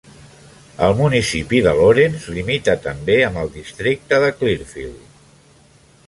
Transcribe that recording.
El municipi de Lawrence limita també amb el districte de Clearfield.